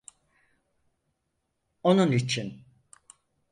Onun için…